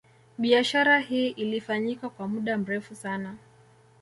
Biashara hii ilifanyika kwa muda mrefu sana